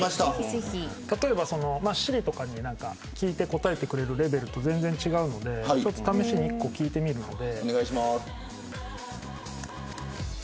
例えばＳｉｒｉとかに聞いて答えてくれるレベルと全然違うので試しに１つ聞いてみるので。